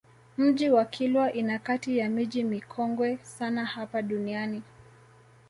Mji wa Kilwa ni kati ya miji mikongwe sana hapa duniani